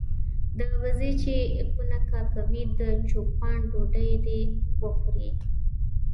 د بزې چې کونه کا کوي د چو پان ډوډۍ دي وخوري.